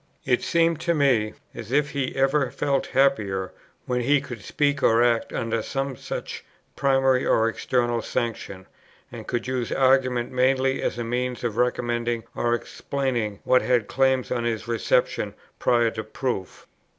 It seemed to me as if he ever felt happier, when he could speak or act under some such primary or external sanction; and could use argument mainly as a means of recommending or explaining what had claims on his reception prior to proof.